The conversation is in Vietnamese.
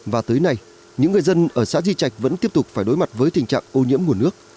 và tới nay những người dân ở xã di trạch vẫn tiếp tục phải đối mặt với tình trạng ô nhiễm nguồn nước